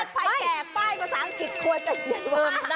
วัดไพแครกป้ายภาษาอังกฤษควรจะได้ไหม